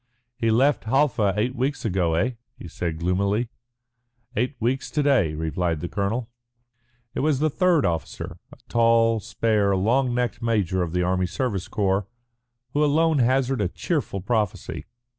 "He left Halfa eight weeks ago, eh?" he said gloomily. "Eight weeks to day," replied the colonel. It was the third officer, a tall, spare, long necked major of the Army Service Corps, who alone hazarded a cheerful prophecy.